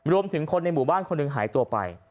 รวมถึงคนในหมู่บ้านคนหนึ่งหายตัวไป